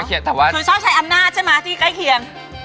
คือชอบใช้อำนาจใช่ไหมที่ใกล้เคียง